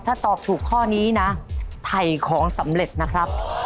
ถ้าตอบถูกข้อนี้นะไถ่ของสำเร็จนะครับ